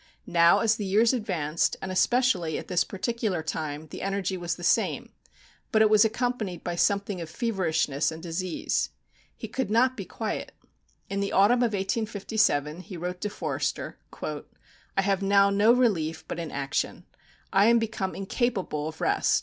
Now, as the years advanced, and especially at this particular time, the energy was the same; but it was accompanied by something of feverishness and disease. He could not be quiet. In the autumn of 1857 he wrote to Forster, "I have now no relief but in action. I am become incapable of rest.